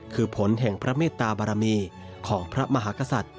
คือผลแห่งพระเมตตาบารมีของพระมหากษัตริย์